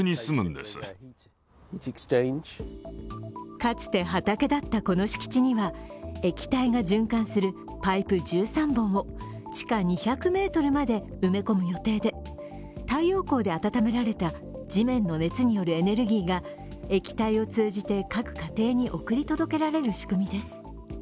かつて畑だったこの敷地には液体が循環するパイプ１３本を地下２００ｍまで埋め込む予定で太陽光で温められた地面の熱によるエネルギーが液体を通じて各家庭に送り届けられる仕組みです。